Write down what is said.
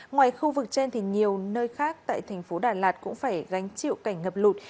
ngoài khu vực trên nhiều nơi khác tại tp đà lạt cũng phải gánh chịu cảnh ngập lụt